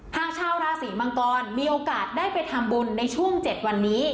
หากชาวราศีมังกรมีโอกาสได้ไปทำบุญในช่วง๗วันนี้